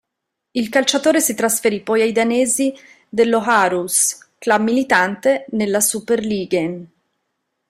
Il calciatore si trasferì poi ai danesi dello Aarhus, club militante nella Superligaen.